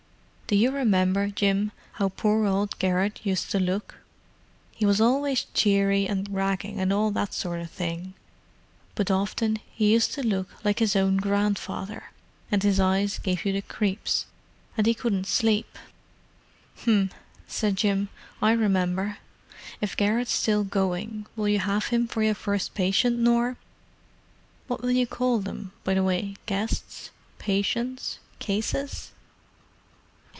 "Do you remember, Jim, how old poor old Garrett used to look? He was always cheery and ragging, and all that sort of thing, but often he used to look like his own grandfather, and his eyes gave you the creeps. And he couldn't sleep." "'M!" said Jim. "I remember. If Garrett's still going, will you have him for your first patient, Nor? What will you call them, by the way—guests? patients? cases?"